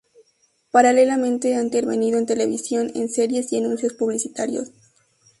Paralelamente ha intervenido en televisión en series y anuncios publicitarios.